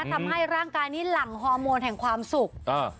ทำให้ร่างกายนี้หลั่งฮอร์โมนแห่งความสุขอ่า